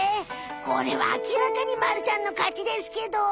これはあきらかにまるちゃんのかちですけど！